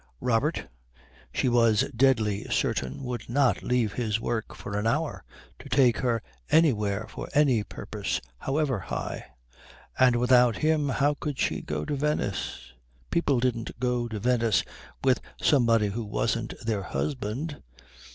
Robert, she was deadly certain, would not leave his work for an hour to take her anywhere for any purpose however high; and without him how could she go to Venice? People didn't go to Venice with somebody who wasn't their husband.